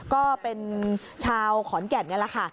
ก็เป็นชาวขอนแก่นนี่แหละค่ะ